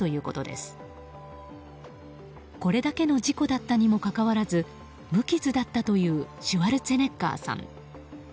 これだけの事故だったにもかかわらず無傷だったというシュワルツェネッガーさん。